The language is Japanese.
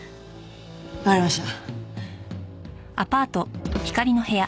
わかりました。